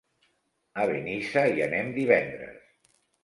A Benissa hi anem divendres.